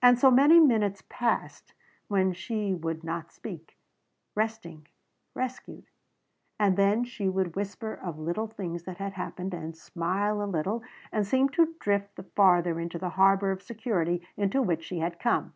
And so many minutes passed when she would not speak resting, rescued. And then she would whisper of little things that had happened and smile a little and seem to drift the farther into the harbor of security into which she had come.